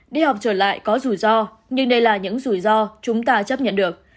đi học trở lại có rủi ro nhưng đây là những rủi ro chúng ta chấp nhận được